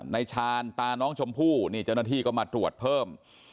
ชาญตาน้องชมพู่นี่เจ้าหน้าที่ก็มาตรวจเพิ่ม